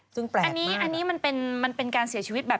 คือขอโทษพ่อกับแม่